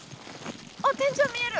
あっ天井見える！